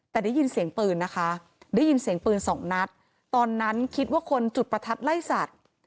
แต่ได้ยินเสียงปืนนะคะได้ยินเสียงปืนสองนัดตอนนั้นคิดว่าคนจุดประทัดไล่สัตว์